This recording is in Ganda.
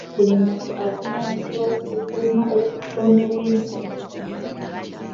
Buli muntu avunaanyizibwa ku kukuuma obutonde bw'ensi.